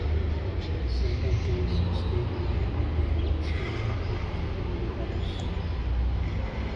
Its central theme is to stay connected with your roots and uplift family values.